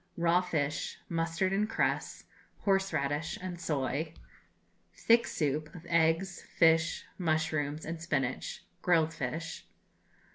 Raw Fish, Mustard and Cress, Horseradish, and Soy. Thick Soup of Eggs, Fish, Mushrooms, and Spinach; Grilled Fish.